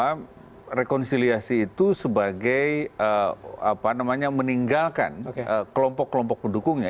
bahwa rekonsiliasi itu sebagai meninggalkan kelompok kelompok pendukungnya